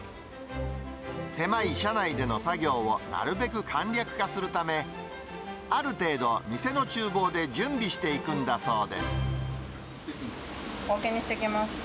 狭い車内での作業をなるべく簡略化するため、ある程度、店のちゅ小分けにしていきます。